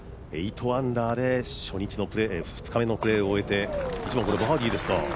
８アンダーで初日２日目のプレーを終えて、これもバーディーですか。